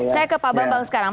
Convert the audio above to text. saya ke pak bambang sekarang